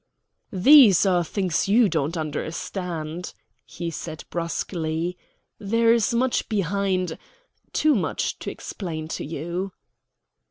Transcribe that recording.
"These are things you don't understand," he said bruskly. "There is much behind too much to explain to you."